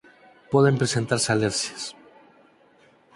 Poden presentarse alerxias.